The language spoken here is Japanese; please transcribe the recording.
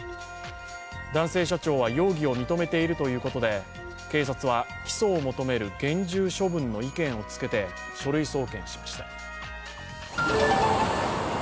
男性社長は容疑を認めているということで警察は起訴を求める厳重処分の意見をつけて書類送検しました。